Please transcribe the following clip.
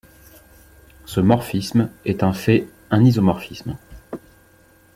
Ce morphisme est un fait un isomorphisme.